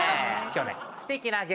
今日ね。